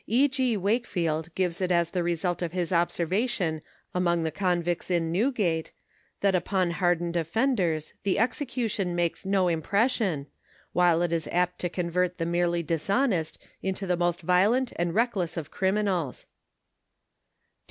E. G. Wakefield gives it as the result of his observation among the convicts in Newgate, that upon hardened offenders the execution makes no impression, while it is apt to convert the merely dishonest into the most violent and reckless of criminals."